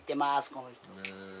この人。